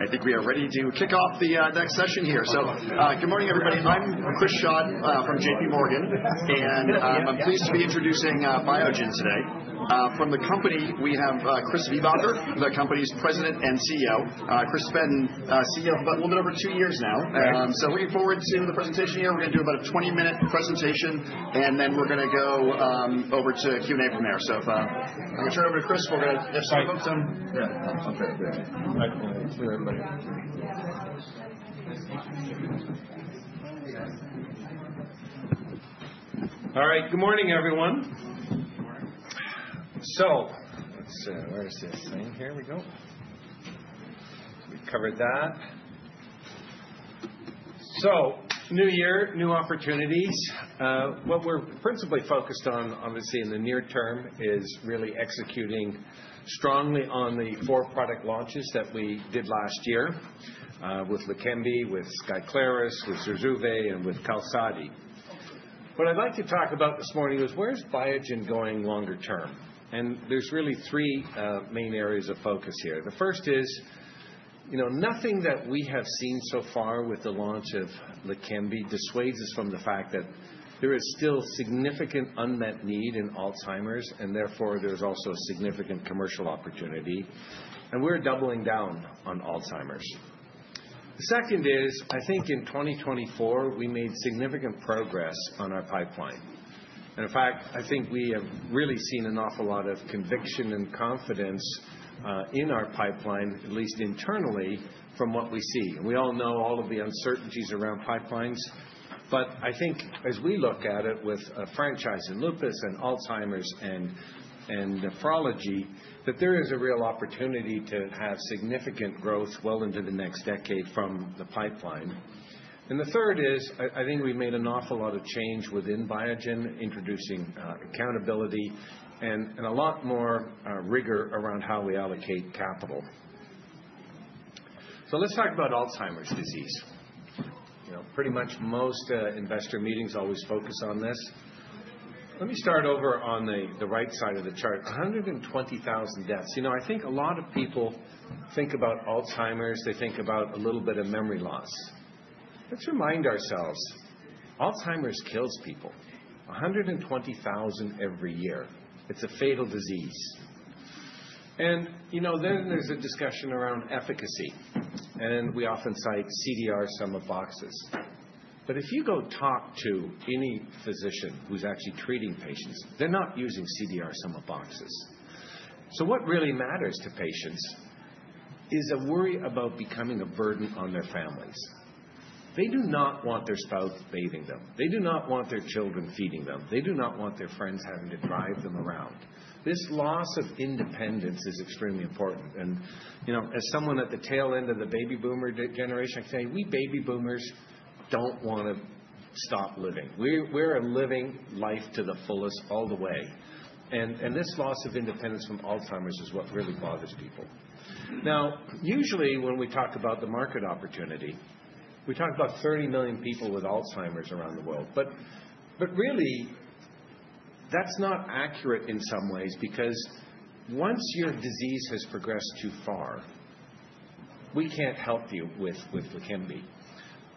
I think we are ready to kick off the next session here. Good morning, everybody. I'm Chris Schott from J.P. Morgan, and I'm pleased to be introducing Biogen today. From the company, we have Chris Viehbacher, the company's President and CEO. Chris has been CEO for a little bit over two years now. Looking forward to the presentation here. We're going to do about a 20-minute presentation, and then we're going to go over to Q&A from there. So if I'm going to turn it over to Chris, we're going to have some folks on. Yeah, I'll turn it over to you. All right. Thank you, everybody. All right. Good morning, everyone. So let's see. Where's this thing? Here we go. We covered that. So new year, new opportunities. What we're principally focused on, obviously, in the near term is really executing strongly on the four product launches that we did last year with LEQEMBI, with Skyclarys, with ZURZUVAE, and with QALSODY. What I'd like to talk about this morning is where's Biogen going longer term? And there's really three main areas of focus here. The first is nothing that we have seen so far with the launch of LEQEMBI dissuades us from the fact that there is still significant unmet need in Alzheimer's, and therefore there's also significant commercial opportunity, and we're doubling down on Alzheimer's. The second is, I think in 2024, we made significant progress on our pipeline. In fact, I think we have really seen an awful lot of conviction and confidence in our pipeline, at least internally, from what we see. We all know all of the uncertainties around pipelines, but I think as we look at it with franchise and lupus and Alzheimer's and nephrology, that there is a real opportunity to have significant growth well into the next decade from the pipeline. The third is, I think we made an awful lot of change within Biogen, introducing accountability and a lot more rigor around how we allocate capital. Let's talk about Alzheimer's disease. Pretty much most investor meetings always focus on this. Let me start over on the right side of the chart. 120,000 deaths. I think a lot of people think about Alzheimer's. They think about a little bit of memory loss. Let's remind ourselves, Alzheimer's kills people. 120,000 every year. It's a fatal disease. And then there's a discussion around efficacy, and we often cite CDR sum of boxes. But if you go talk to any physician who's actually treating patients, they're not using CDR sum of boxes. So what really matters to patients is a worry about becoming a burden on their families. They do not want their spouse bathing them. They do not want their children feeding them. They do not want their friends having to drive them around. This loss of independence is extremely important. And as someone at the tail end of the baby boomer generation, I can tell you, we baby boomers don't want to stop living. We're living life to the fullest all the way. And this loss of independence from Alzheimer's is what really bothers people. Now, usually when we talk about the market opportunity, we talk about 30 million people with Alzheimer's around the world. But really, that's not accurate in some ways because once your disease has progressed too far, we can't help you with LEQEMBI.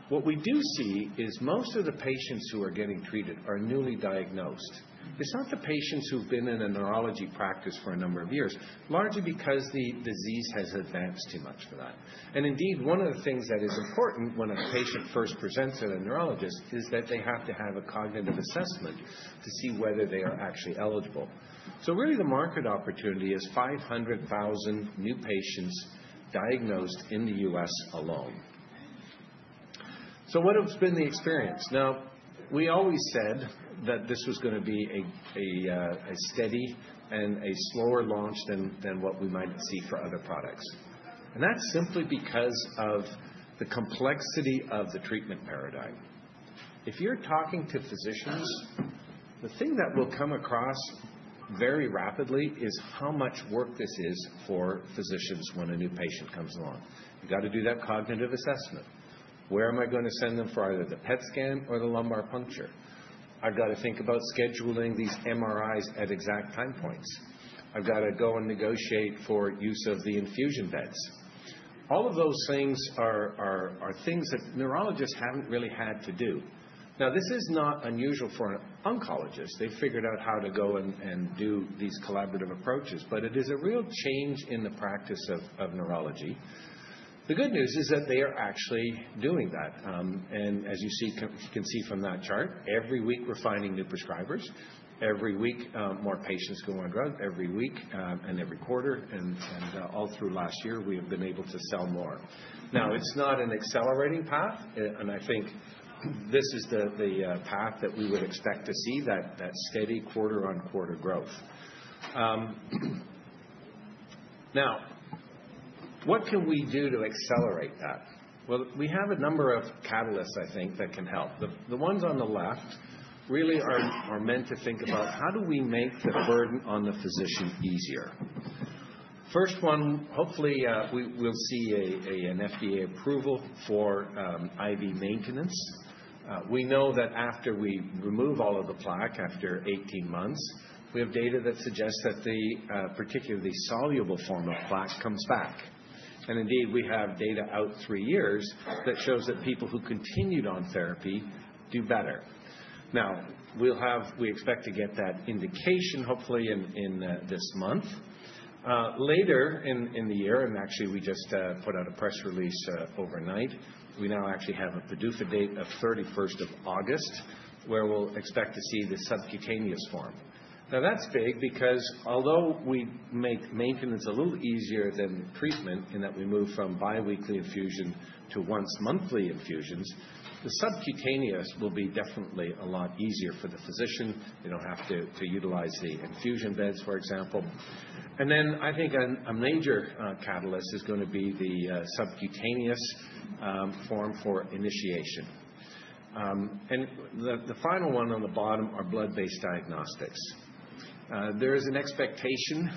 What we do see is most of the patients who are getting treated are newly diagnosed. It's not the patients who've been in a neurology practice for a number of years, largely because the disease has advanced too much for that. And indeed, one of the things that is important when a patient first presents at a neurologist is that they have to have a cognitive assessment to see whether they are actually eligible. So really, the market opportunity is 500,000 new patients diagnosed in the U.S. alone. So what has been the experience? Now, we always said that this was going to be a steady and a slower launch than what we might see for other products and that's simply because of the complexity of the treatment paradigm. If you're talking to physicians, the thing that will come across very rapidly is how much work this is for physicians when a new patient comes along. You've got to do that cognitive assessment. Where am I going to send them for either the PET scan or the lumbar puncture? I've got to think about scheduling these MRIs at exact time points. I've got to go and negotiate for use of the infusion beds. All of those things are things that neurologists haven't really had to do. Now, this is not unusual for an oncologist. They've figured out how to go and do these collaborative approaches, but it is a real change in the practice of neurology. The good news is that they are actually doing that. And as you can see from that chart, every week we're finding new prescribers. Every week, more patients go on drugs. Every week and every quarter, and all through last year, we have been able to sell more. Now, it's not an accelerating path, and I think this is the path that we would expect to see, that steady quarter-on-quarter growth. Now, what can we do to accelerate that? Well, we have a number of catalysts, I think, that can help. The ones on the left really are meant to think about how do we make the burden on the physician easier. First one, hopefully, we'll see an FDA approval for IV maintenance. We know that after we remove all of the plaque, after 18 months, we have data that suggests that particularly the soluble form of plaque comes back, and indeed, we have data out three years that shows that people who continued on therapy do better. Now, we expect to get that indication, hopefully, in this month. Later in the year, and actually, we just put out a press release overnight. We now actually have a PDUFA date of 31st of August, where we'll expect to see the subcutaneous form. Now, that's big because although we make maintenance a little easier than treatment in that we move from biweekly infusion to once-monthly infusions, the subcutaneous will be definitely a lot easier for the physician. They don't have to utilize the infusion beds, for example, and then I think a major catalyst is going to be the subcutaneous form for initiation. The final one on the bottom are blood-based diagnostics. There is an expectation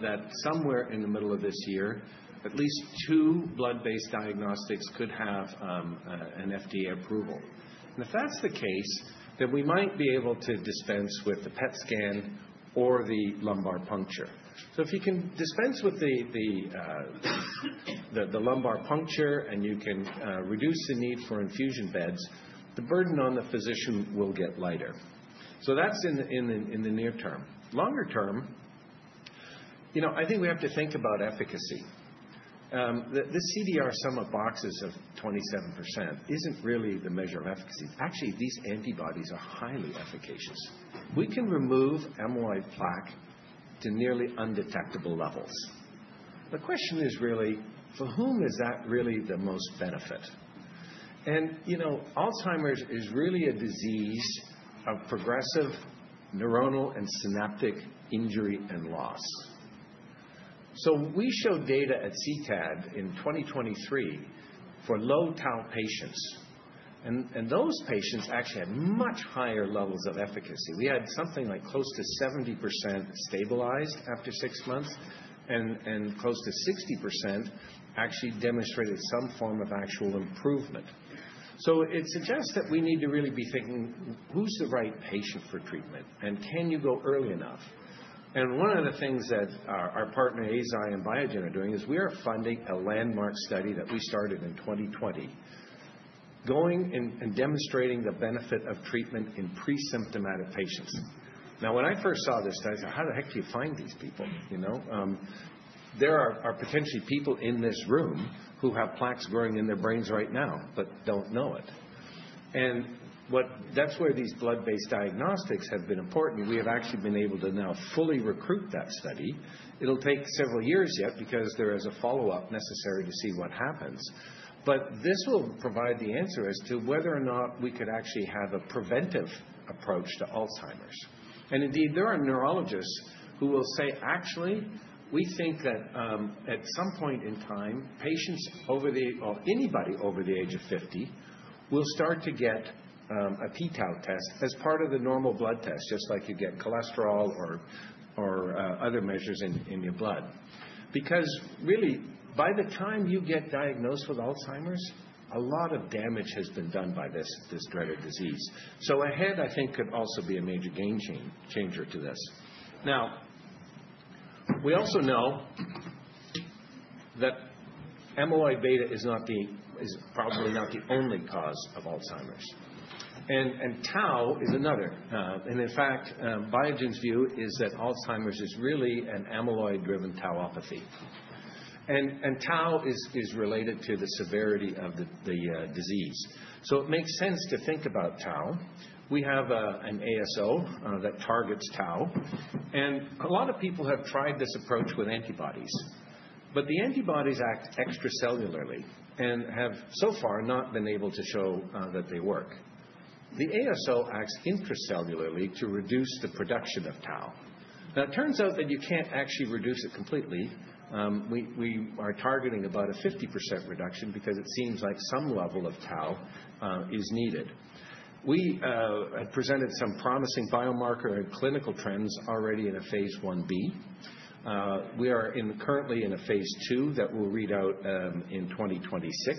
that somewhere in the middle of this year, at least two blood-based diagnostics could have an FDA approval. And if that's the case, then we might be able to dispense with the PET scan or the lumbar puncture. So if you can dispense with the lumbar puncture and you can reduce the need for infusion beds, the burden on the physician will get lighter. So that's in the near term. Longer term, I think we have to think about efficacy. This CDR sum of boxes of 27% isn't really the measure of efficacy. Actually, these antibodies are highly efficacious. We can remove amyloid plaque to nearly undetectable levels. The question is really, for whom is that really the most benefit? And Alzheimer's is really a disease of progressive neuronal and synaptic injury and loss. We showed data at CTAD in 2023 for low Tau patients. Those patients actually had much higher levels of efficacy. We had something like close to 70% stabilized after six months, and close to 60% actually demonstrated some form of actual improvement. It suggests that we need to really be thinking, who's the right patient for treatment, and can you go early enough? One of the things that our partner, AZI and Biogen are doing is we are funding a landmark study that we started in 2020, going and demonstrating the benefit of treatment in pre-symptomatic patients. Now, when I first saw this study, I said, how the heck do you find these people? There are potentially people in this room who have plaques growing in their brains right now, but don't know it. That's where these blood-based diagnostics have been important. We have actually been able to now fully recruit that study. It'll take several years yet because there is a follow-up necessary to see what happens, but this will provide the answer as to whether or not we could actually have a preventive approach to Alzheimer's. And indeed, there are neurologists who will say, actually, we think that at some point in time, patients over the, well, anybody over the age of 50 will start to get a p-Tau test as part of the normal blood test, just like you get cholesterol or other measures in your blood. Because really, by the time you get diagnosed with Alzheimer's, a lot of damage has been done by this dreaded disease, so AHEAD, I think, could also be a major game changer to this. Now, we also know that Amyloid beta is probably not the only cause of Alzheimer's. Tau is another. In fact, Biogen's view is that Alzheimer's is really an amyloid-driven tauopathy. Tau is related to the severity of the disease. So it makes sense to think about Tau. We have an ASO that targets Tau. A lot of people have tried this approach with antibodies. But the antibodies act extracellularly and have so far not been able to show that they work. The ASO acts intracellularly to reduce the production of Tau. Now, it turns out that you can't actually reduce it completely. We are targeting about a 50% reduction because it seems like some level of Tau is needed. We had presented some promising biomarker and clinical trends already in a phase 1b. We are currently in a phase 2 that we'll read out in 2026.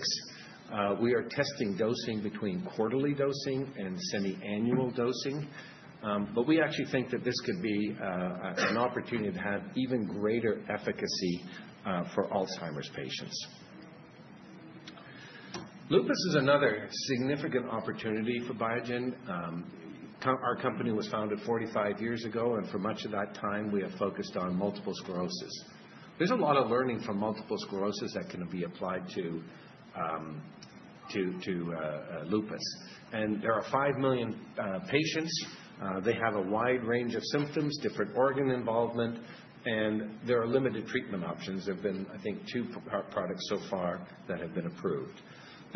We are testing dosing between quarterly dosing and semiannual dosing. But we actually think that this could be an opportunity to have even greater efficacy for Alzheimer's patients. Lupus is another significant opportunity for Biogen. Our company was founded 45 years ago, and for much of that time, we have focused on multiple sclerosis. There's a lot of learning from multiple sclerosis that can be applied to lupus. And there are five million patients. They have a wide range of symptoms, different organ involvement, and there are limited treatment options. There have been, I think, two products so far that have been approved.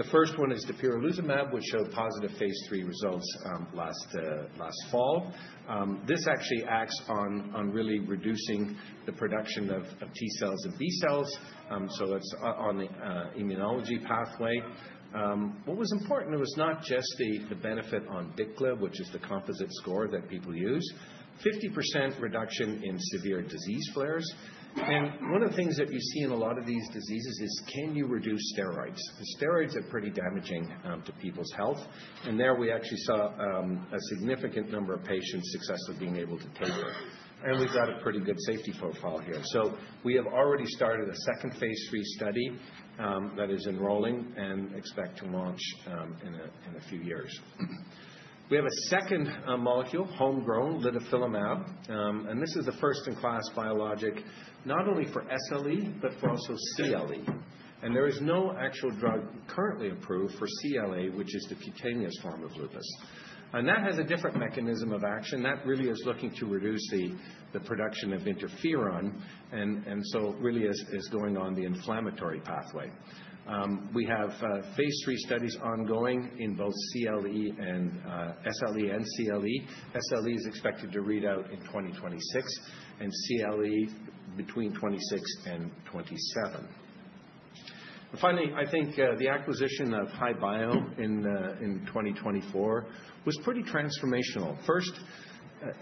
The first one is dapirolizumab, which showed positive phase 3 results last fall. This actually acts on really reducing the production of T cells and B cells. So that's on the immunology pathway. What was important was not just the benefit on BICLA, which is the composite score that people use, 50% reduction in severe disease flares. And one of the things that you see in a lot of these diseases is, can you reduce steroids? Because steroids are pretty damaging to people's health. And there we actually saw a significant number of patients successfully being able to taper. And we've got a pretty good safety profile here. So we have already started a second phase 3 study that is enrolling and expect to launch in a few years. We have a second molecule, homegrown litifilimab. And this is a first-in-class biologic, not only for SLE, but for also CLE. And there is no actual drug currently approved for CLE, which is the cutaneous form of lupus. And that has a different mechanism of action. That really is looking to reduce the production of interferon and so really is going on the inflammatory pathway. We have phase 3 studies ongoing in both SLE and CLE. SLE is expected to read out in 2026, and CLE between 2026 and 2027. Finally, I think the acquisition of HI-Bio in 2024 was pretty transformational. First,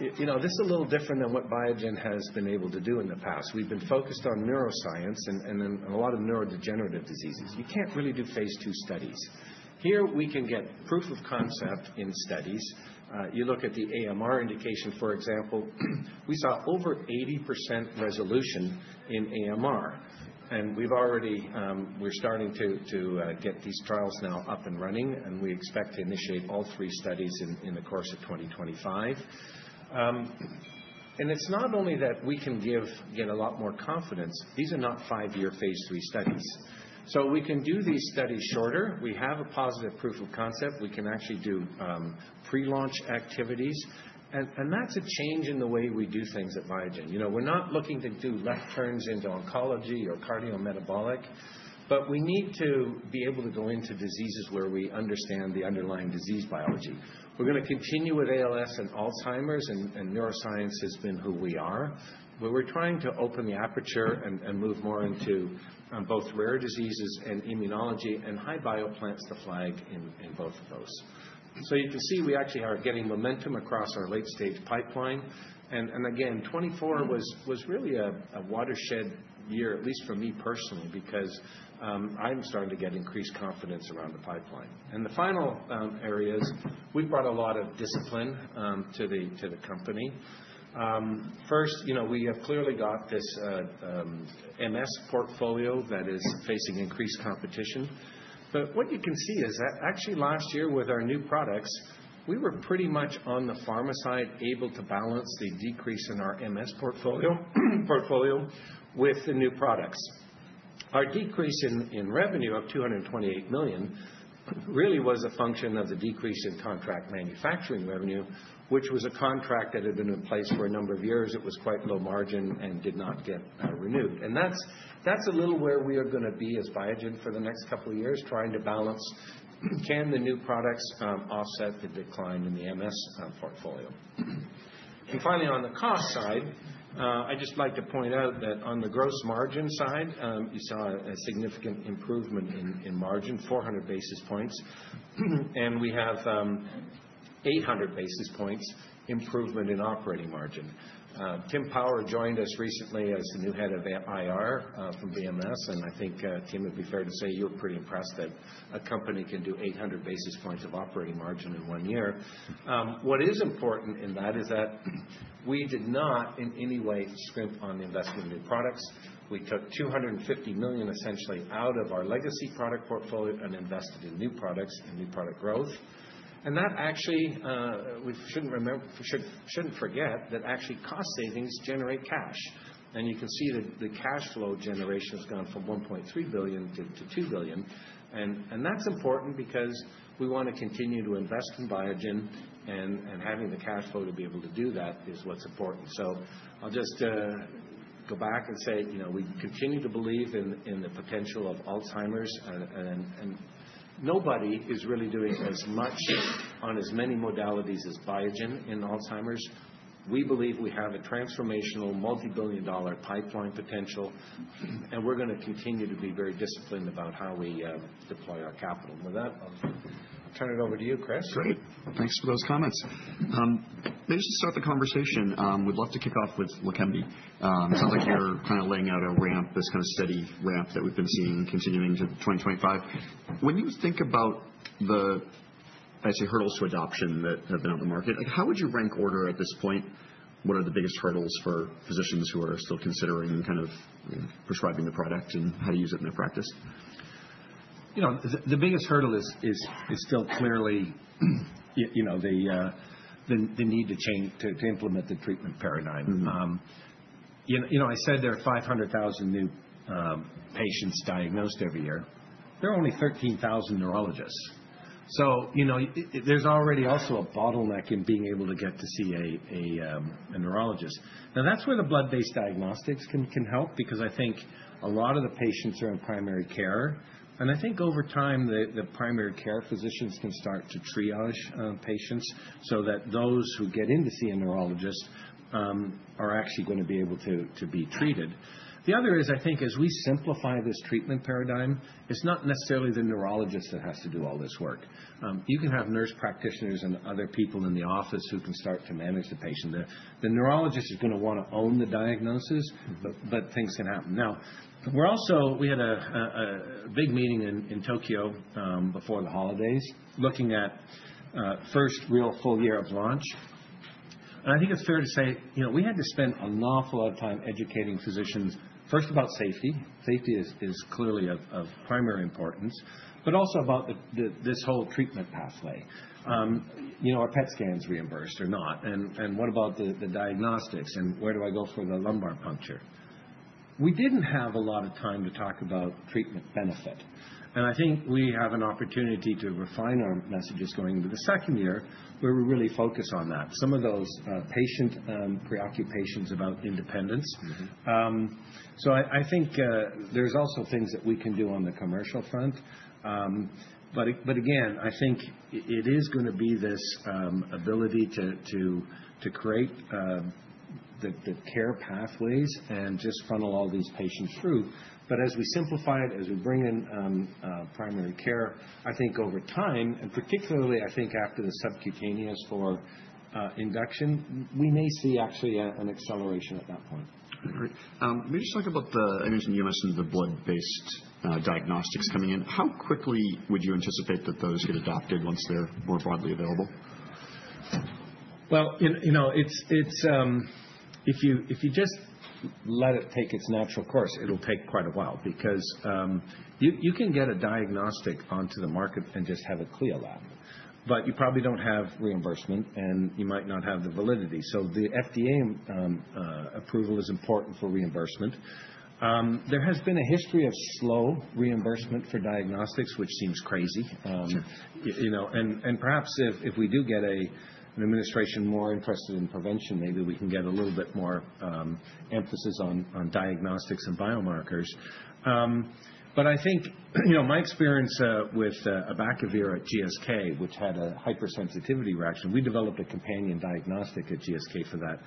this is a little different than what Biogen has been able to do in the past. We've been focused on neuroscience and a lot of neurodegenerative diseases. You can't really do phase 2 studies. Here, we can get proof of concept in studies. You look at the AMR indication, for example, we saw over 80% resolution in AMR. And we're starting to get these trials now up and running, and we expect to initiate all three studies in the course of 2025. And it's not only that we can give a lot more confidence. These are not five-year phase 3 studies. So we can do these studies shorter. We have a positive proof of concept. We can actually do pre-launch activities. That's a change in the way we do things at Biogen. We're not looking to do left turns into oncology or cardiometabolic, but we need to be able to go into diseases where we understand the underlying disease biology. We're going to continue with ALS and Alzheimer's, and neuroscience has been who we are. We're trying to open the aperture and move more into both rare diseases and immunology and HI-Bio plants the flag in both of those. You can see we actually are getting momentum across our late-stage pipeline. Again, 2024 was really a watershed year, at least for me personally, because I'm starting to get increased confidence around the pipeline. The final areas, we've brought a lot of discipline to the company. First, we have clearly got this MS portfolio that is facing increased competition. But what you can see is that actually last year with our new products, we were pretty much on the pharma side able to balance the decrease in our MS portfolio with the new products. Our decrease in revenue of $228 million really was a function of the decrease in contract manufacturing revenue, which was a contract that had been in place for a number of years. It was quite low margin and did not get renewed. And that's a little where we are going to be as Biogen for the next couple of years trying to balance, can the new products offset the decline in the MS portfolio. And finally, on the cost side, I just like to point out that on the gross margin side, you saw a significant improvement in margin, 400 basis points, and we have 800 basis points improvement in operating margin. Tim Power joined us recently as the new head of IR from BMS, and I think, Tim, it'd be fair to say you're pretty impressed that a company can do 800 basis points of operating margin in one year. What is important in that is that we did not in any way scrimp on the investment in new products. We took $250 million essentially out of our legacy product portfolio and invested in new products and new product growth, and that actually, we shouldn't forget that actually cost savings generate cash, and you can see that the cash flow generation has gone from $1.3 billion to $2 billion. And that's important because we want to continue to invest in Biogen, and having the cash flow to be able to do that is what's important, so I'll just go back and say we continue to believe in the potential of Alzheimer's. Nobody is really doing as much on as many modalities as Biogen in Alzheimer's. We believe we have a transformational multi-billion-dollar pipeline potential, and we're going to continue to be very disciplined about how we deploy our capital. With that, I'll turn it over to you, Chris. Great. Thanks for those comments. Maybe to start the conversation, we'd love to kick off with LEQEMBI. It sounds like you're kind of laying out a ramp, this kind of steady ramp that we've been seeing continuing to 2025. When you think about the, I'd say, hurdles to adoption that have been on the market, how would you rank order at this point? What are the biggest hurdles for physicians who are still considering kind of prescribing the product and how to use it in their practice? The biggest hurdle is still clearly the need to implement the treatment paradigm. I said there are 500,000 new patients diagnosed every year. There are only 13,000 neurologists. So there's already also a bottleneck in being able to get to see a neurologist. Now, that's where the blood-based diagnostics can help because I think a lot of the patients are in primary care. And I think over time, the primary care physicians can start to triage patients so that those who get in to see a neurologist are actually going to be able to be treated. The other is, I think, as we simplify this treatment paradigm, it's not necessarily the neurologist that has to do all this work. You can have nurse practitioners and other people in the office who can start to manage the patient. The neurologist is going to want to own the diagnosis, but things can happen. Now, we had a big meeting in Tokyo before the holidays looking at first real full year of launch. And I think it's fair to say we had to spend an awful lot of time educating physicians, first about safety. Safety is clearly of primary importance, but also about this whole treatment pathway. Are PET scans reimbursed or not? And what about the diagnostics? And where do I go for the lumbar puncture? We didn't have a lot of time to talk about treatment benefit. And I think we have an opportunity to refine our messages going into the second year where we really focus on that. Some of those patient preoccupations about independence. So I think there's also things that we can do on the commercial front. But again, I think it is going to be this ability to create the care pathways and just funnel all these patients through. But as we simplify it, as we bring in primary care, I think over time, and particularly, I think after the subcutaneous for induction, we may see actually an acceleration at that point. Great. Maybe just talk about the, I mentioned you mentioned the blood-based diagnostics coming in. How quickly would you anticipate that those get adopted once they're more broadly available? Well, if you just let it take its natural course, it'll take quite a while because you can get a diagnostic onto the market and just have it clear lab. But you probably don't have reimbursement, and you might not have the validation. So the FDA approval is important for reimbursement. There has been a history of slow reimbursement for diagnostics, which seems crazy. Perhaps if we do get an administration more interested in prevention, maybe we can get a little bit more emphasis on diagnostics and biomarkers. But I think my experience with abacavir at GSK, which had a hypersensitivity reaction, we developed a companion diagnostic at GSK for that.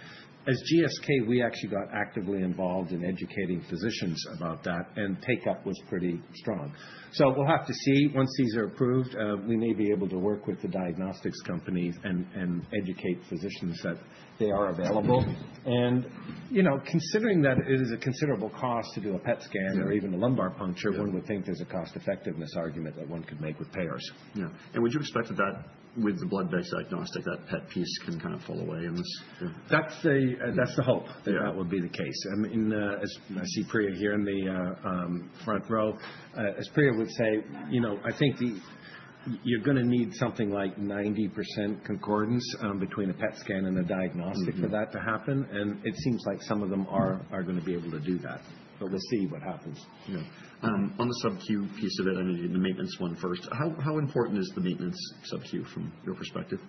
As GSK, we actually got actively involved in educating physicians about that, and take-up was pretty strong. So we'll have to see. Once these are approved, we may be able to work with the diagnostics company and educate physicians that they are available. And considering that it is a considerable cost to do a PET scan or even a lumbar puncture, one would think there's a cost-effectiveness argument that one could make with payers. Yeah. Would you expect that with the blood-based diagnostic, that PET piece can kind of fall away in this? That's the hope that that would be the case. I mean, as I see Priya here in the front row, as Priya would say, I think you're going to need something like 90% concordance between a PET scan and a diagnostic for that to happen. And it seems like some of them are going to be able to do that. But we'll see what happens. On the subQ piece of it, I mean, the maintenance one first, how important is the maintenance subQ from your perspective?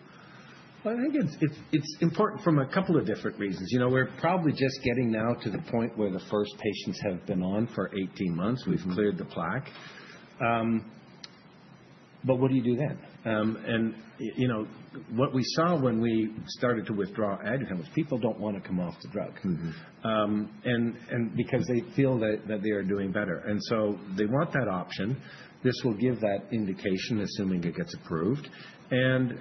Well, I think it's important from a couple of different reasons. We're probably just getting now to the point where the first patients have been on for 18 months. We've cleared the plaque. But what do you do then? And what we saw when we started to withdraw Aduhelm was people don't want to come off the drug because they feel that they are doing better. And so they want that option. This will give that indication assuming it gets approved. And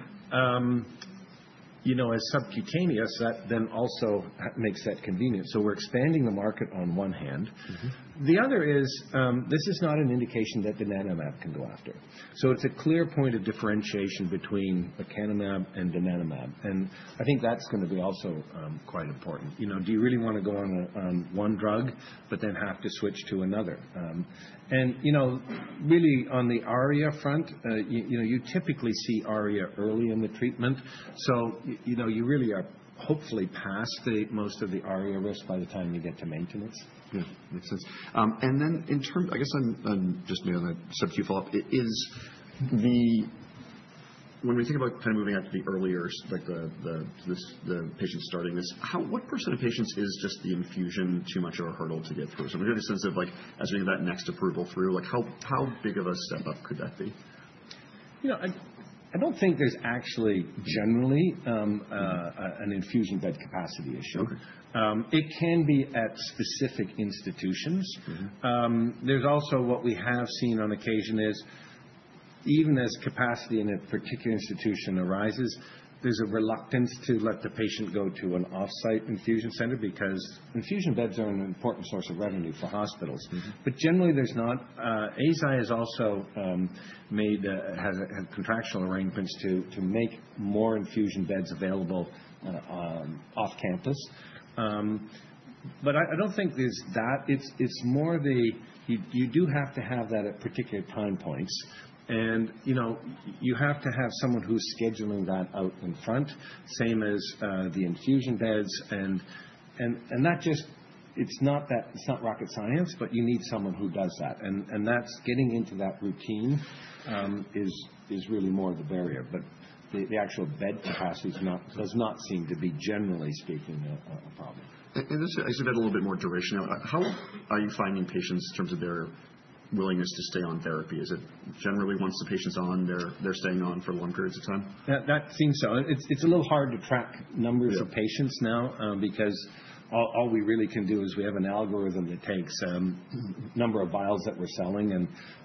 as subcutaneous, that then also makes that convenient. So we're expanding the market on one hand. The other is this is not an indication that the donanemab can go after. So it's a clear point of differentiation between the lecanemab and the donanemab. And I think that's going to be also quite important. Do you really want to go on one drug but then have to switch to another? And really on the ARIA front, you typically see ARIA early in the treatment. So you really are hopefully past most of the ARIA risk by the time you get to maintenance. Yeah, makes sense. And then in terms of, I guess I'm just making a subQ follow-up. When we think about kind of moving out to the earlier, like the patients starting this, what % of patients is just the infusion too much of a hurdle to get through? So we're getting a sense of as we have that next approval through, how big of a step up could that be? I don't think there's actually generally an infusion bed capacity issue. It can be at specific institutions. There's also what we have seen on occasion is even as capacity in a particular institution arises, there's a reluctance to let the patient go to an off-site infusion center because infusion beds are an important source of revenue for hospitals. But generally, there's not. Eisai has also had contractual arrangements to make more infusion beds available off-campus. But I don't think there's that. It's more that you do have to have that at particular time points. You have to have someone who's scheduling that out in front, same as the infusion beds. It's not rocket science, but you need someone who does that. That's getting into that routine is really more of the barrier. The actual bed capacity does not seem to be, generally speaking, a problem. This is a bit, a little bit more duration. How are you finding patients in terms of their willingness to stay on therapy? Is it generally once the patient's on, they're staying on for long periods of time? That seems so. It's a little hard to track numbers of patients now because all we really can do is we have an algorithm that takes a number of vials that we're selling,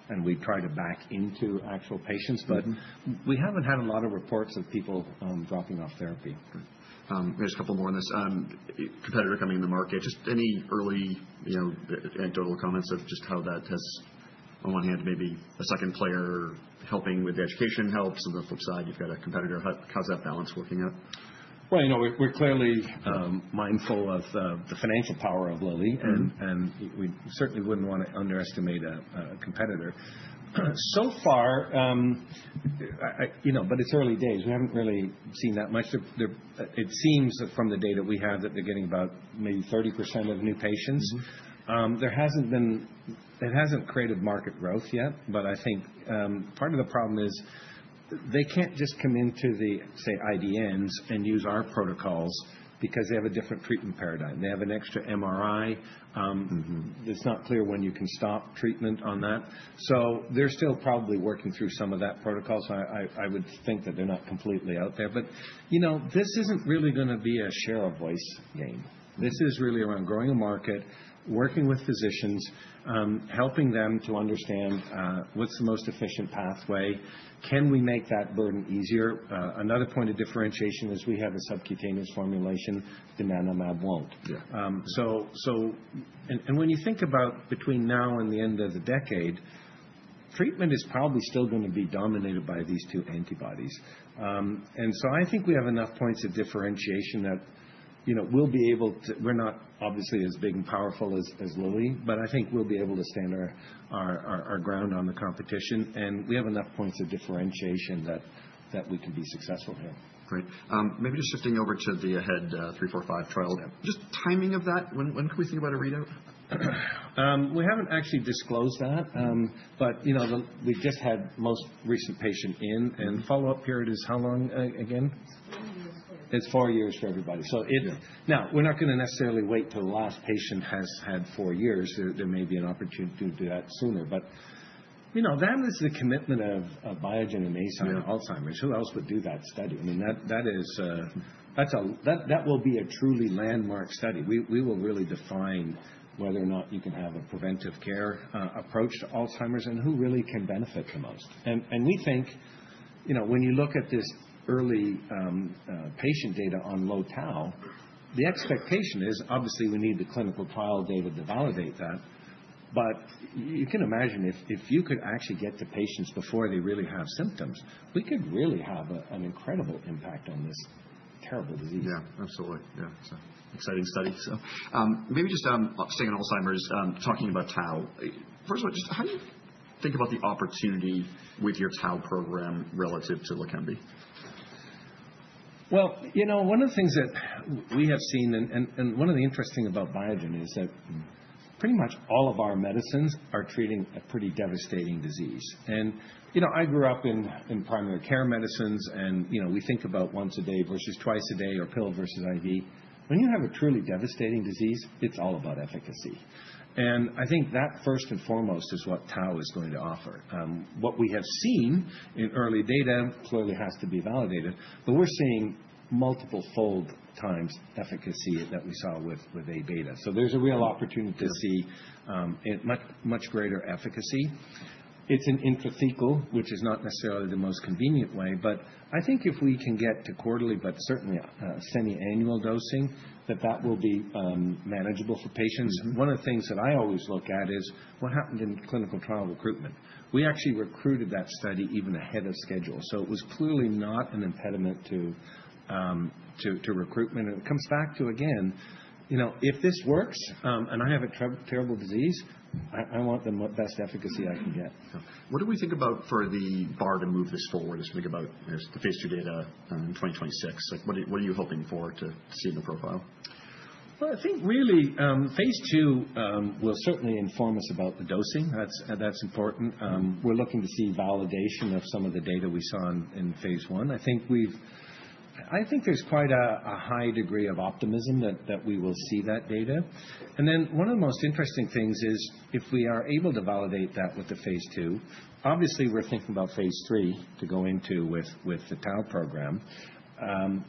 and we try to back into actual patients. But we haven't had a lot of reports of people dropping off therapy. There's a couple more on this. Competitor coming in the market. Just any early anecdotal comments of just how that has, on one hand, maybe a second player helping with the education helps. On the flip side, you've got a competitor. How's that balance working out? We're clearly mindful of the financial power of Lilly, and we certainly wouldn't want to underestimate a competitor. So far, but it's early days. We haven't really seen that much. It seems that from the data we have that they're getting about maybe 30% of new patients. It hasn't created market growth yet, but I think part of the problem is they can't just come into the, say, IDNs and use our protocols because they have a different treatment paradigm. They have an extra MRI. It's not clear when you can stop treatment on that. So they're still probably working through some of that protocol. So I would think that they're not completely out there. But this isn't really going to be a share of voice game. This is really around growing a market, working with physicians, helping them to understand what's the most efficient pathway. Can we make that burden easier? Another point of differentiation is we have a subcutaneous formulation. Donanemab won't. And when you think about between now and the end of the decade, treatment is probably still going to be dominated by these two antibodies. And so I think we have enough points of differentiation that we'll be able to. We're not obviously as big and powerful as Lilly, but I think we'll be able to stand our ground on the competition. And we have enough points of differentiation that we can be successful here. Great. Maybe just shifting over to the AHEAD 3-45 trial. Just timing of that, when can we think about a readout? We haven't actually disclosed that, but we've just had most recent patient in, and follow-up period is how long again? Four years. It's four years for everybody. So now we're not going to necessarily wait till the last patient has had four years. There may be an opportunity to do that sooner. But that is the commitment of Biogen and Eisai on Alzheimer's. Who else would do that study? I mean, that will be a truly landmark study. We will really define whether or not you can have a preventive care approach to Alzheimer's and who really can benefit the most. And we think when you look at this early patient data on low Tau, the expectation is obviously we need the clinical trial data to validate that. But you can imagine if you could actually get to patients before they really have symptoms, we could really have an incredible impact on this terrible disease. Yeah, absolutely. Yeah. It's an exciting study. So maybe just staying on Alzheimer's, talking about Tau. First of all, just how do you think about the opportunity with your Tau program relative to LEQEMBI? Well, one of the things that we have seen, and one of the interesting things about Biogen is that pretty much all of our medicines are treating a pretty devastating disease. And I grew up in primary care medicines, and we think about once a day versus twice a day or pill versus IV. When you have a truly devastating disease, it's all about efficacy, and I think that first and foremost is what Tau is going to offer. What we have seen in early data clearly has to be validated, but we're seeing multiple fold times efficacy that we saw with Aβ, so there's a real opportunity to see much greater efficacy. It's an intrathecal, which is not necessarily the most convenient way, but I think if we can get to quarterly, but certainly semi-annual dosing, that will be manageable for patients. One of the things that I always look at is what happened in clinical trial recruitment. We actually recruited that study even ahead of schedule, so it was clearly not an impediment to recruitment, and it comes back to, again, if this works and I have a terrible disease, I want the bestefficacy I can get. What do we think about for the bar to move this forward as we think about the phase two data in 2026? What are you hoping for to see in the profile? I think really phase two will certainly inform us about the dosing. That's important. We're looking to see validation of some of the data we saw in phase one. I think there's quite a high degree of optimism that we will see that data. And then one of the most interesting things is if we are able to validate that with the phase two, obviously we're thinking about phase three to go into with the Tau program.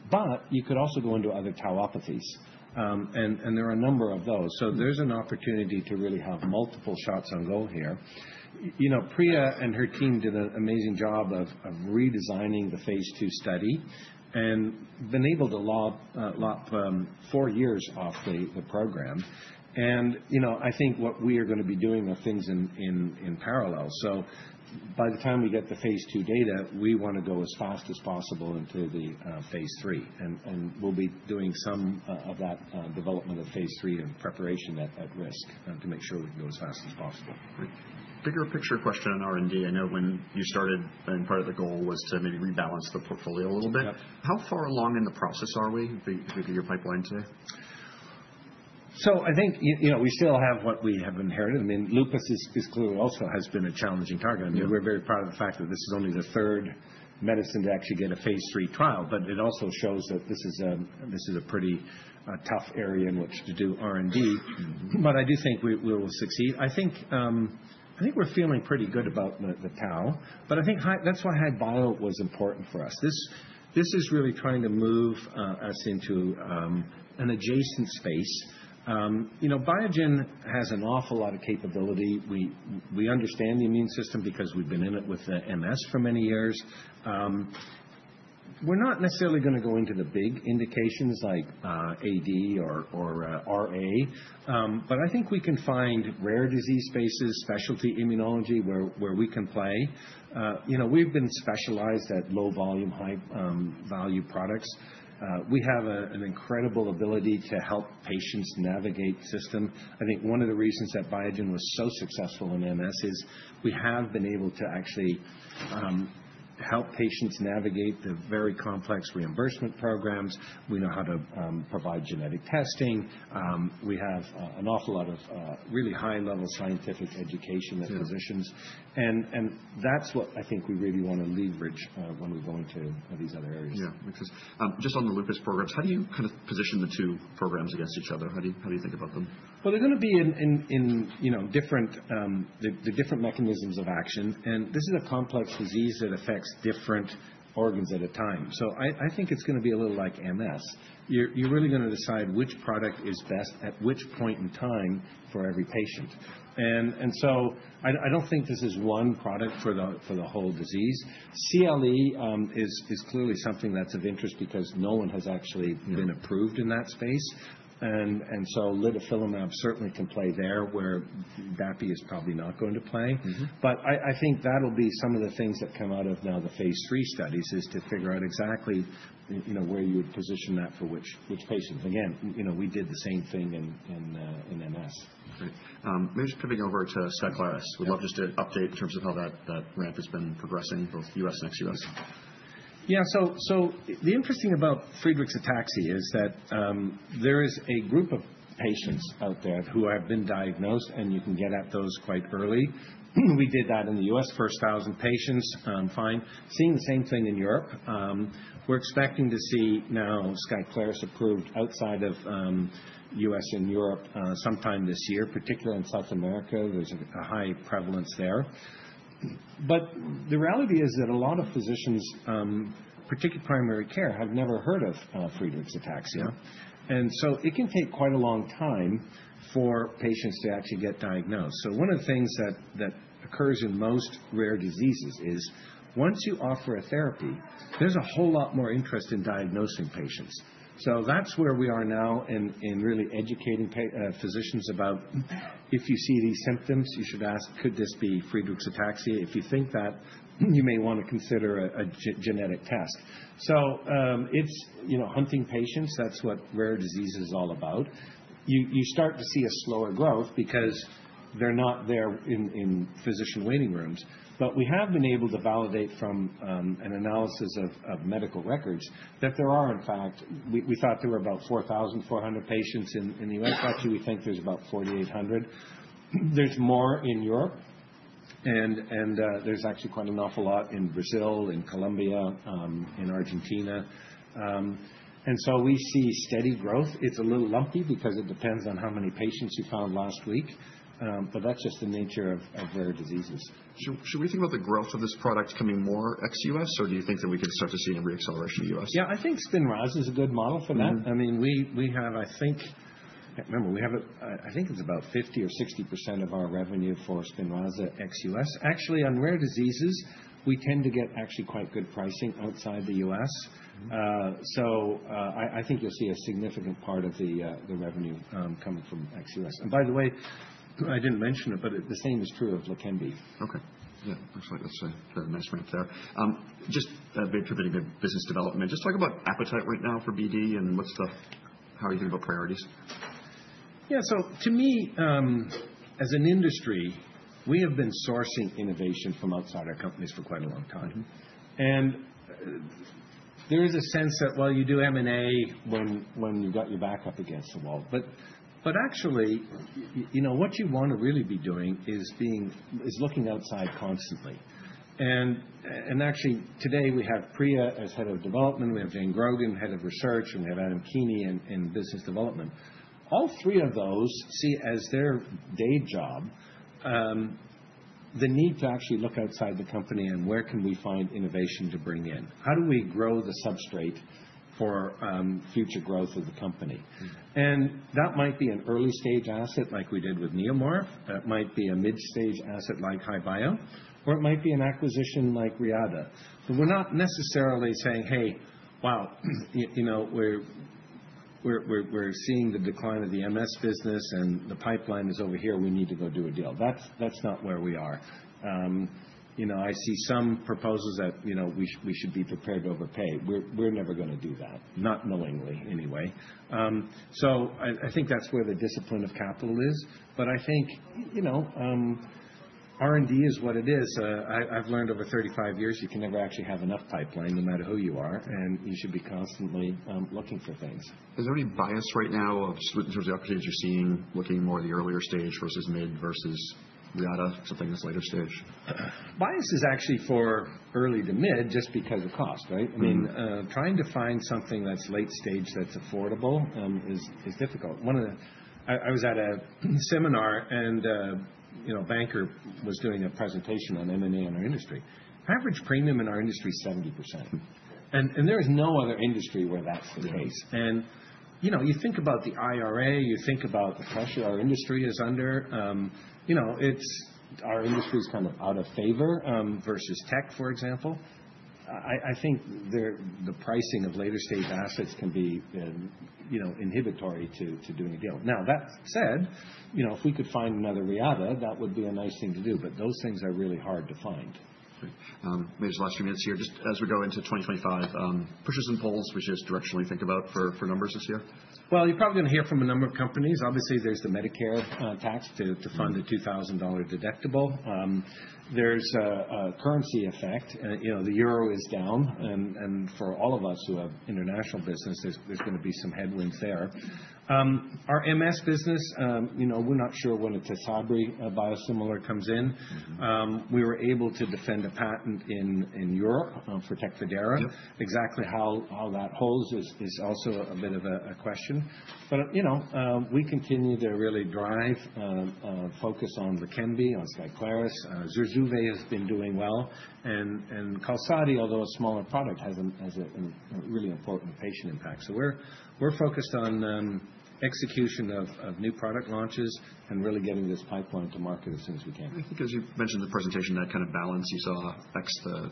But you could also go into other tauopathies. And there are a number of those. So there's an opportunity to really have multiple shots on go here. Priya and her team did an amazing job of redesigning the phase two study and been able to lop four years off the program. And I think what we are going to be doing are things in parallel. So by the time we get the phase two data, we want to go as fast as possible into the phase three. And we'll be doing some of that development of phase three and preparation at risk to make sure we can go as fast as possible. Bigger picture question on R&D. I know when you started, part of the goal was to maybe rebalance the portfolio a little bit. How far along in the process are we with your pipeline today? So I think we still have what we have inherited. I mean, lupus is clearly also has been a challenging target. I mean, we're very proud of the fact that this is only the third medicine to actually get a phase 3 trial. But it also shows that this is a pretty tough area in which to do R&D. But I do think we will succeed. I think we're feeling pretty good about the Tau. But I think that's why HI-Bio was important for us. This is really trying to move us into an adjacent space. Biogen has an awful lot of capability. We understand the immune system because we've been in it with the MS for many years. We're not necessarily going to go into the big indications like AD or RA. But I think we can find rare disease spaces, specialty immunology where we can play. We've been specialized at low volume, high value products. We have an incredible ability to help patients navigate the system. I think one of the reasons that Biogen was so successful in MS is we have been able to actually help patients navigate the very complex reimbursement programs. We know how to provide genetic testing. We have an awful lot of really high-level scientific education that physicians. And that's what I think we really want to leverage when we go into these other areas. Yeah, makes sense. Just on the lupus programs, how do you kind of position the two programs against each other? How do you think about them? Well, they're going to be in the different mechanisms of action. And this is a complex disease that affects different organs at a time. So I think it's going to be a little like MS. You're really going to decide which product is best at which point in time for every patient. And so I don't think this is one product for the whole disease. CLE is clearly something that's of interest because no one has actually been approved in that space. And so Litifilimab certainly can play there where Dapi is probably not going to play. But I think that'll be some of the things that come out of now the phase 3 studies is to figure out exactly where you would position that for which patients. Again, we did the same thing in MS. Great. Maybe just pivoting over to Skyclarys. We'd love just to update in terms of how that ramp has been progressing, both U.S. and ex-U.S. Yeah. So the interesting thing about Friedreich's ataxia is that there is a group of patients out there who have been diagnosed, and you can get at those quite early. We did that in the U.S., first 1,000 patients, fine. Seeing the same thing in Europe. We're expecting to see now Skyclarys approved outside of U.S. and Europe sometime this year, particularly in South America. There's a high prevalence there. But the reality is that a lot of physicians, particularly primary care, have never heard of Friedreich's ataxia. And so it can take quite a long time for patients to actually get diagnosed. So one of the things that occurs in most rare diseases is once you offer a therapy, there's a whole lot more interest in diagnosing patients. So that's where we are now in really educating physicians about if you see these symptoms, you should ask, could this be Friedreich's ataxia? If you think that, you may want to consider a genetic test. So it's hunting patients. That's what rare disease is all about. You start to see a slower growth because they're not there in physician waiting rooms. But we have been able to validate from an analysis of medical records that there are, in fact, we thought there were about 4,400 patients in the U.S. Actually, we think there's about 4,800. There's more in Europe. And there's actually quite an awful lot in Brazil, in Colombia, in Argentina. And so we see steady growth. It's a little lumpy because it depends on how many patients you found last week. But that's just the nature of rare diseases. Should we think about the growth of this product coming more ex-U.S., or do you think that we can start to see an acceleration in the U.S.? Yeah, I think Spinraza is a good model for that. I mean, we have, I think, remember, we have a, I think it's about 50% or 60% of our revenue for Spinraza ex-US. Actually, on rare diseases, we tend to get actually quite good pricing outside the US. So I think you'll see a significant part of the revenue coming from ex-US. And by the way, I didn't mention it, but the same is true of LEQEMBI. Okay. Yeah. Looks like that's a fair mess ramp there. Just maybe pivoting to business development. Just talk about appetite right now for BD and how are you thinking about priorities? Yeah. So to me, as an industry, we have been sourcing innovation from outside our companies for quite a long time. And there is a sense that, well, you do M&A when you've got your back up against the wall. But actually, what you want to really be doing is looking outside constantly. Actually, today we have Priya as head of development. We have Jane Grogan, head of research, and we have Adam Keeney in business development. All three of those see as their day job the need to actually look outside the company and where can we find innovation to bring in. How do we grow the substrate for future growth of the company? And that might be an early stage asset like we did with Neomorph. That might be a mid-stage asset like HI-Bio, or it might be an acquisition like Reata. But we're not necessarily saying, "Hey, wow, we're seeing the decline of the MS business and the pipeline is over here. We need to go do a deal." That's not where we are. I see some proposals that we should be prepared to overpay. We're never going to do that, not knowingly anyway. So I think that's where the discipline of capital is. But I think R&D is what it is. I've learned over 35 years, you can never actually have enough pipeline, no matter who you are, and you should be constantly looking for things. Is there any bias right now just in terms of the opportunities you're seeing, looking more at the earlier stage versus mid versus Reata, something in this later stage? Bias is actually for early to mid just because of cost, right? I mean, trying to find something that's late stage that's affordable is difficult. I was at a seminar and a banker was doing a presentation on M&A in our industry. Average premium in our industry is 70%. And there is no other industry where that's the case. You think about the IRA, you think about the pressure our industry is under. Our industry is kind of out of favor versus tech, for example. I think the pricing of later stage assets can be inhibitory to doing a deal. Now, that said, if we could find another Reata, that would be a nice thing to do. But those things are really hard to find. Great. Maybe just last few minutes here. Just as we go into 2025, pushes and pulls, would you just directionally think about for numbers this year? Well, you are probably going to hear from a number of companies. Obviously, there is the Medicare tax to fund the $2,000 deductible. There is a currency effect. The euro is down. And for all of us who have international business, there is going to be some headwinds there. Our MS business, we are not sure when a Tysabri biosimilar comes in. We were able to defend a patent in Europe for Tecfidera. Exactly how that holds is also a bit of a question. But we continue to really drive focus on LEQEMBI, on Skyclarys. ZURZUVAE has been doing well. And Qalsody, although a smaller product, has a really important patient impact. So we're focused on execution of new product launches and really getting this pipeline to market as soon as we can. I think as you mentioned in the presentation, that kind of balance you saw affects the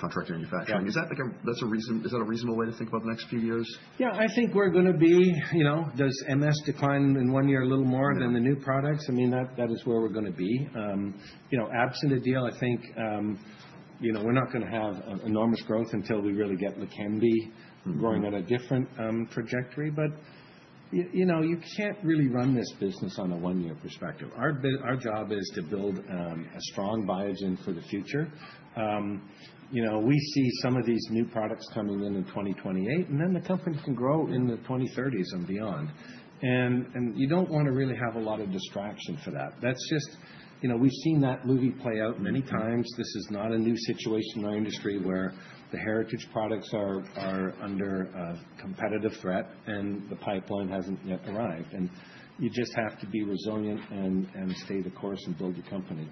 contract manufacturing. Is that a reasonable way to think about the next few years? Yeah, I think we're going to be. Does MS decline in one year a little more than the new products? I mean, that is where we're going to be. Absent a deal, I think we're not going to have enormous growth until we really get LEQEMBI growing on a different trajectory. But you can't really run this business on a one-year perspective. Our job is to build a strong Biogen for the future. We see some of these new products coming in in 2028, and then the company can grow in the 2030s and beyond. And you don't want to really have a lot of distraction for that. That's just we've seen that movie play out many times. This is not a new situation in our industry where the heritage products are under competitive threat and the pipeline hasn't yet arrived. And you just have to be resilient and stay the course and build the company.